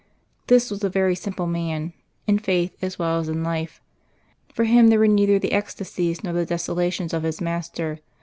This was a very simple man, in faith as well as in life. For him there were neither the ecstasies nor the desolations of his master.